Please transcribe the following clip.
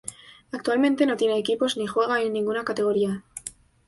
Actualmente no tiene equipos ni juega en ninguna categoría.